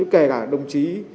kể cả đồng chí